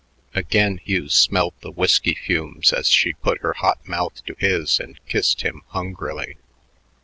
Again Hugh smelled the whisky fumes as she put her hot mouth to his and kissed him hungrily.